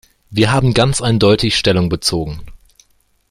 Wir haben ganz eindeutig Stellung bezogen.